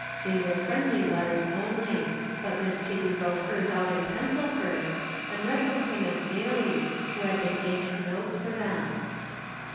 They were friendly letters only, but Miss Kitty wrote hers out in pencil first and read them to Miss Ailie, who had been taking notes for them.